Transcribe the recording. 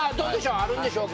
あるんでしょうか？